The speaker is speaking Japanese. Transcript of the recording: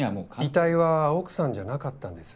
遺体は奥さんじゃなかったんです。